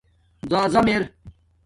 زازم ار